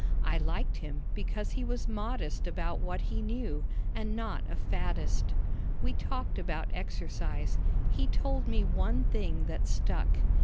I liked him because he was modest about what he knew, and not a faddist. We talked about exercise. He told me one thing that stuck.